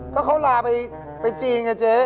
ก็เขาหลาไปไปจีนไงเจ๊